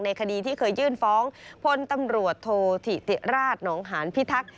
คดีที่เคยยื่นฟ้องพลตำรวจโทษธิติราชหนองหานพิทักษ์